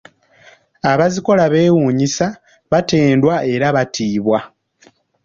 "Abazikola beewuunyisa, batendwa era batiibwa."